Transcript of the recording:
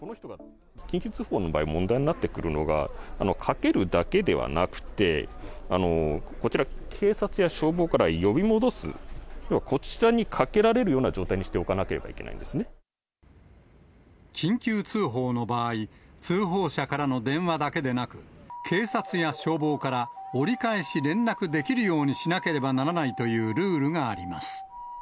緊急通報の場合、問題になってくるのが、かけるだけではなくて、こちら、警察や消防から呼び戻す、要はこちらにかけられるような状態にしておかなければいけないん緊急通報の場合、通報者からの電話だけでなく、警察や消防から、折り返し連絡できるようにしなければならないというルールがあります。